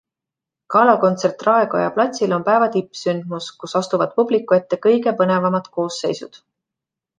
Galakontsert Raekoja platsil on päeva tippsündmus, kus astuvad publiku ette kõige põnevamad koosseisud.